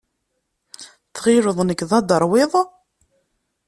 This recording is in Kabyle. Tɣileḍ nekk d adaṛwiḍ?